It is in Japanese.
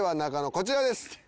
こちらです。